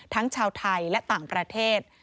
ทั้งชาวไทยและต่างประเทศ